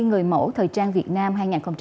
người mẫu thời trang việt nam hai nghìn một mươi bảy